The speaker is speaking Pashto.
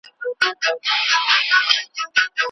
نوي څېړنې د کتابتونونو له لاري خپرېږي.